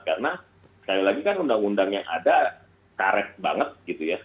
karena sekali lagi kan undang undang yang ada karet banget gitu ya